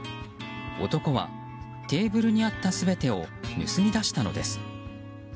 男はテーブルにあった全てを盗み出したのです。